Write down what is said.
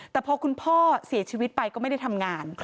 แต่พอคุณพ่อเสียชีวิตไปก็ไม่ได้ทำงาน